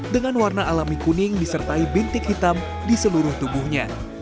dengan warna alami kuning disertai bintik hitam di seluruh tubuhnya